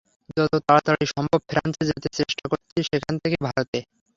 যত তাড়াতাড়ি সম্ভব ফ্রান্সে যেতে চেষ্টা করছি, সেখান থেকে ভারতে।